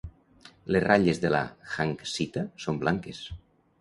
Les ratlles de la hanksita són blanques.